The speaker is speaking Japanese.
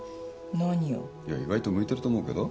いや意外と向いてると思うけど。